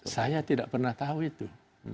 saya tidak pernah tahu itu